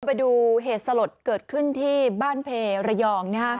ไปดูเหตุสลดเกิดขึ้นที่บ้านเพระยอง